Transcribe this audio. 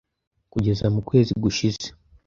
kugeza mu kwezi gushize